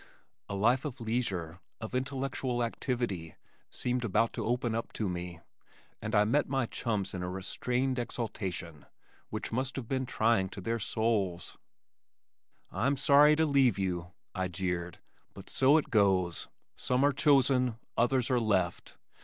A life of leisure, of intellectual activity seemed about to open up to me, and I met my chums in a restrained exaltation which must have been trying to their souls. "I'm sorry to leave you," I jeered, "but so it goes. Some are chosen, others are left.